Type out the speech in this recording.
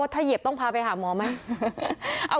ถ้าเหยียบต้องพาไปหาหมอไหม